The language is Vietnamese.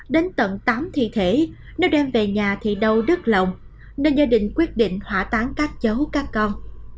đến tận tám thi thể nếu đem về nhà thì đâu đứt lòng nên gia đình quyết định hỏa táng các cháu các con